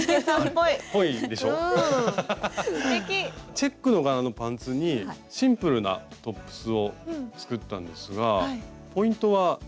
チェックの柄のパンツにシンプルなトップスを作ったんですがポイントはテープなんですよね。